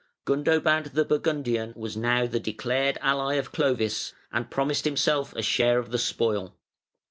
Gundobad the Burgundian was now the declared ally of Clovis, and promised himself a share of the spoil.